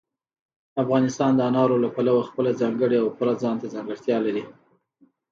افغانستان د انارو له پلوه خپله ځانګړې او پوره ځانته ځانګړتیا لري.